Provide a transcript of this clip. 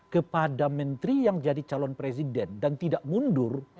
kepada menteri yang jadi calon presiden dan tidak mundur